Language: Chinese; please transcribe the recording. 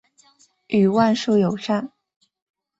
与万树友善。